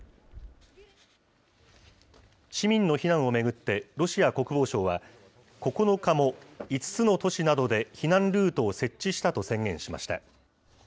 市民の避難を巡って、ロシア国防省は、９日も５つの都市などで避難ルートを設置したと宣言しました。